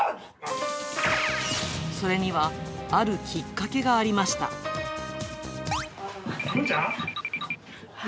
それにはあるきっかけがありぶーちゃん？